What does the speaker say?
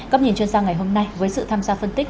góc nhìn chuyên gia ngày hôm nay với sự tham gia phân tích